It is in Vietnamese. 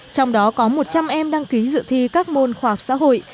trong đó có một trăm linh em đăng ký dự thi các môn khoa học xã hội